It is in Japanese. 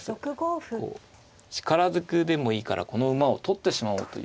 力ずくでもいいからこの馬を取ってしまおうという。